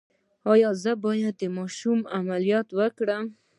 ایا زه باید د ماشوم عملیات وکړم؟